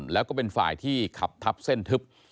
แล้วก็เป็นฝ่ายที่ขับทับเส้นทึบ